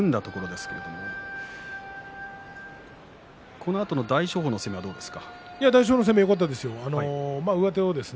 このあとの大翔鵬の攻めはどうでしたか？